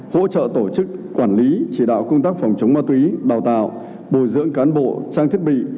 hỗ trợ tổ chức quản lý chỉ đạo công tác phòng chống ma túy đào tạo bồi dưỡng cán bộ trang thiết bị